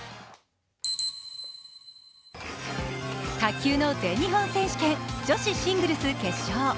卓球の全日本選手権、女子シングルス決勝。